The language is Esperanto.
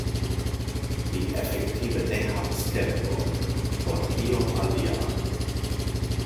Li efektive ne havis tempon por io alia.